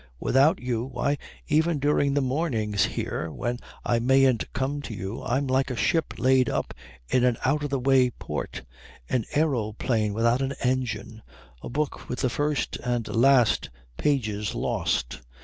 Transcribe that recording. Without you why, even during the mornings here when I mayn't come to you I'm like a ship laid up in an out of the way port, an aeroplane without an engine, a book with the first and last pages lost.